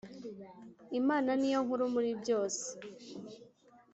Imana niyonkuru muri byose.